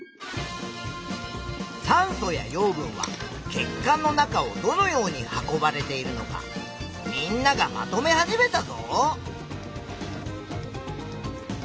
酸素や養分は血管の中をどのように運ばれているのかみんながまとめ始めたぞ！